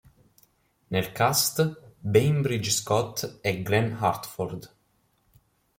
Nel cast, Bainbridge Scott e Glen Hartford.